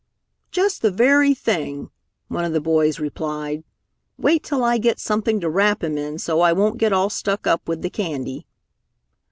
"Just the very thing!" one of the boys replied. "Wait till I get something to wrap him in so I won't get all stuck up with the candy."